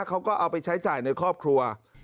เขาก็เอาไปใช้จ่ายในครอบครัว